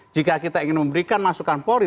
jika kita ingin memberikan masukan polri